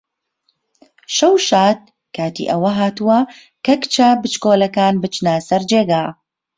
شەو شاد! کاتی ئەوە هاتووە کە کچە بچکۆڵەکەکان بچنە سەر جێگا.